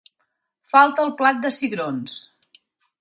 Falta el plat de cigrons.